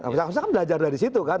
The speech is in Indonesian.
perusahaan kan belajar dari situ kan